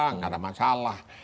enggak ada masalah